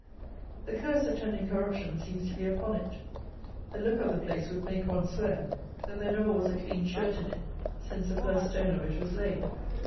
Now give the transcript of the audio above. The curse attending corruption seems to be upon it. The look of the place would make one swear, that there never was a clean shirt in it, since the first stone of it was laid.